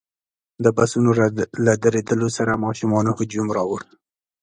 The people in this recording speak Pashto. د بسونو له درېدلو سره ماشومانو هجوم راوړ.